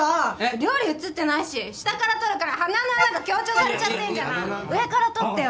料理写ってないし下から撮るから鼻の穴が強調されちゃってんじゃない上から撮ってよ